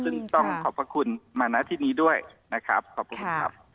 ซึ่งต้องขอบพระคุณมาณที่นี้ด้วยนะครับขอบคุณครับ